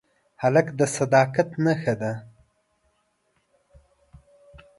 هلک د صداقت نښه ده.